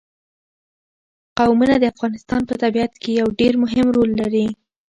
قومونه د افغانستان په طبیعت کې یو ډېر مهم رول لري.